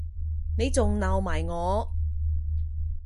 你仲鬧埋我